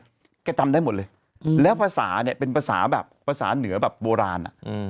แกจำได้หมดเลยแล้วภาษาเนี่ยเป็นภาษาแบบภาษาเหนือแบบโบราณอ่ะอืม